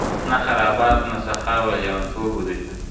نه خرابات و، نه سخا وه؛ لېونتوب و د ژوند ,